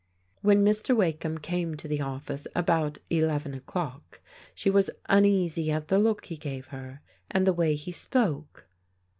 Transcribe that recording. When Mr. Wakeham came to the office about eleven o'clock, she was tmeasy at the look he gave her, and the way he spoke.